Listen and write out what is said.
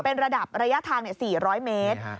เป็นระดับระยะทาง๔๐๐เมตร